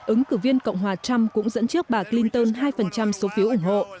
ứng cử viên cộng hòa trump cũng dẫn trước bà clinton hai số phiếu ủng hộ